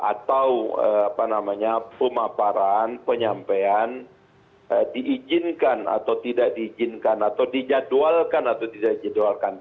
atau apa namanya pemaparan penyampaian diizinkan atau tidak diizinkan atau dijadwalkan atau tidak dijadwalkan